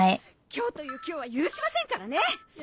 今日という今日は許しませんからね！